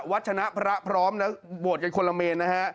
วัฒนะพระพร้อมนะฮะโหลดกันคนละเมนนะฮะ